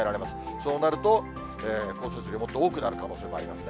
そうなると降雪量、もっと多くなる可能性もありますね。